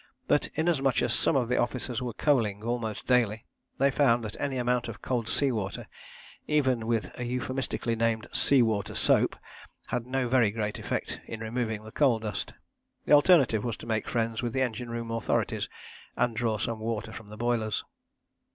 But inasmuch as some of the officers were coaling almost daily, they found that any amount of cold sea water, even with a euphemistically named 'sea water soap,' had no very great effect in removing the coal dust. The alternative was to make friends with the engine room authorities and draw some water from the boilers.